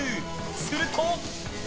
すると。